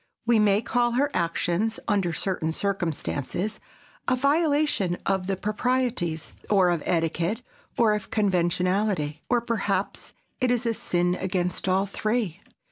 We may call her actions, under certain circumstances, a violation of the proprieties, or of etiquette, or of conventionality. Or, perhaps, it is a sin against all three.